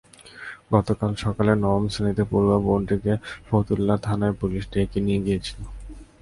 গতকাল সকালেই নবম শ্রেণিতে পড়ুয়া বোনটিকে ফতুল্লা থানার পুলিশ ডেকে নিয়ে গিয়েছিল।